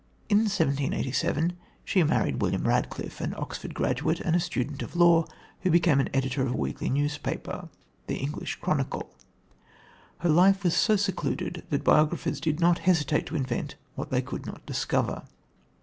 In 1787 she married William Radcliffe, an Oxford graduate and a student of law, who became editor of a weekly newspaper, The English Chronicle. Her life was so secluded that biographers did not hesitate to invent what they could not discover.